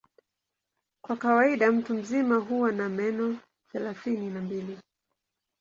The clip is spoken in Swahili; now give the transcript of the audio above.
Kwa kawaida mtu mzima huwa na meno thelathini na mbili.